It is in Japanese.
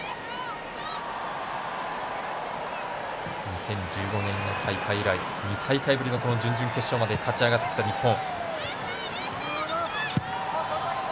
２０１５年の大会以来２大会ぶりのこの準々決勝まで勝ち上がってきた日本。